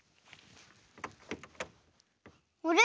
あれ？